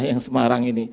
yang semarang ini